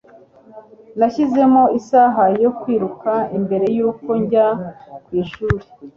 Nashyizemo isaha yo kwiruka mbere yuko njya ku ishuri.